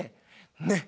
ねっ！